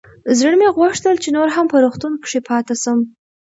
زړه مې غوښتل چې نور هم په روغتون کښې پاته سم.